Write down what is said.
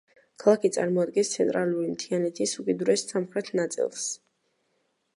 ქალაქი წარმოადგენს ცენტრალური მთიანეთის უკიდურეს სამხრეთ ნაწილს.